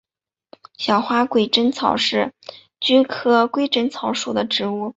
小花鬼针草是菊科鬼针草属的植物。